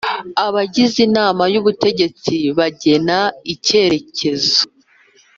Abagize inama y ubutegetsi bagena icyerekezo